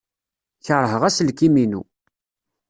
Keṛheɣ aselkim-inu.